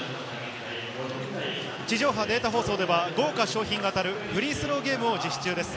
地上波データ放送では豪華賞品が当たるフリースローゲームを実施中です。